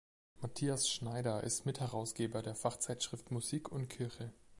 Matthias Schneider ist Mitherausgeber der Fachzeitschrift Musik und Kirche.